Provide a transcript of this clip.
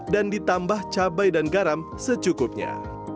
dan ditambah cabai dan garam secukupnya